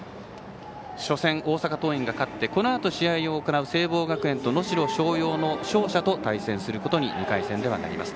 初戦、大阪桐蔭が勝ってこのあと試合を行う聖望学園と能代松陽の勝者と２回戦で対戦することになります。